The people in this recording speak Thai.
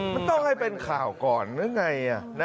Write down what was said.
มันต้องให้เป็นข่าวก่อนหรือไง